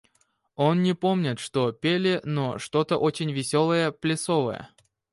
Он не помнит, что пели, но что-то очень веселое, плясовое.